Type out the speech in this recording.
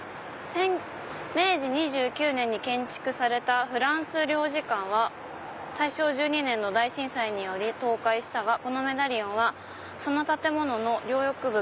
「明治２９年に建築されたフランス領事館は大正１２年の大震災により倒壊したがこのメダリオンはその建物の両翼部